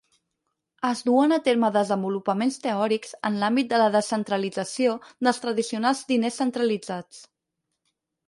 Es duen a terme desenvolupaments teòrics en l'àmbit de la descentralització dels tradicionals diners centralitzats.